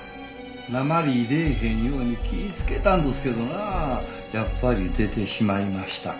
訛り出ぇへんように気ぃつけたんどすけどなあやっぱり出てしまいましたか。